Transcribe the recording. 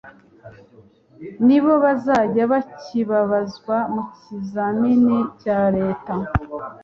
nabo bazajya bakibazwa mu kizamini cya leta